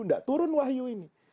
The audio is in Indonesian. tidak turun wahyu ini